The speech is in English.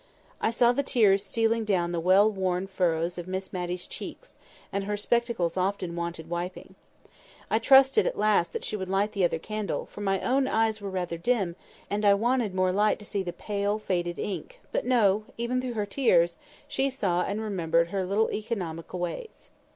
I saw the tears stealing down the well worn furrows of Miss Matty's cheeks, and her spectacles often wanted wiping. I trusted at last that she would light the other candle, for my own eyes were rather dim, and I wanted more light to see the pale, faded ink; but no, even through her tears, she saw and remembered her little economical ways.